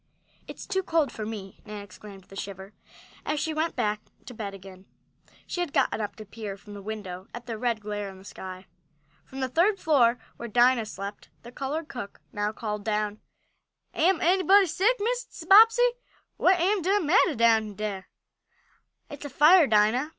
"It's too cold for me!" Nan exclaimed with a shiver, as she went back in bed again. She had gotten up to peer from the window at the red glare in the sky. From the third floor, where Dinah slept, the colored cook now called down: "Am anybody sick, Mrs. Bobbsey? What am de mattah down dere?" "It's a fire, Dinah!"